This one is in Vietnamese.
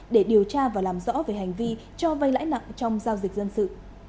để điều tra và làm rõ về hành vi cho vay lãi nặng trong giao dịch dân sự